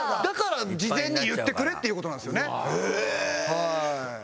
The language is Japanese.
だから事前に言ってくれっていう事なんですよね。